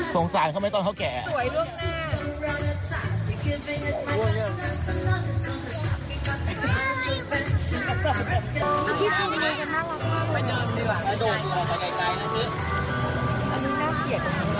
ต้องการคลิปคลิปเลย